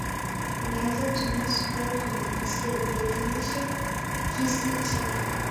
unaweza tumia Sukari kwenye juisi ya viazi lishe kisi chako